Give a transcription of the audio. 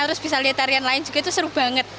terus bisa lihat tarian lain juga itu seru banget